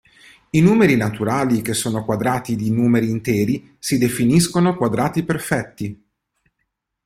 I numeri naturali che sono quadrati di numeri interi si definiscono quadrati perfetti.